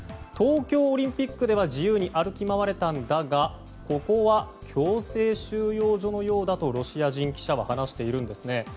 東京オリンピックでは自由に歩き回れたんだがここは強制収容所のようだとロシア人記者は話しています。